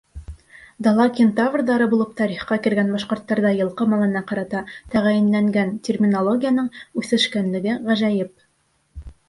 Дала кентаврҙары булып тарихҡа кергән башҡорттарҙа йылҡы малына ҡарата тәғәйенләнгән терминологияның үҫешкәнлеге ғәжәйеп.